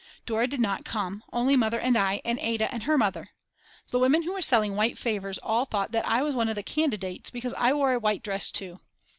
Dora did not come; only Mother and I and Ada and her mother. The women who were selling white favours all thought that I was one of the candidates because I wore a white dress too.